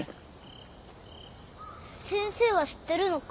先生は知ってるのか？